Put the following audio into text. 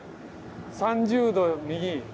３０度右。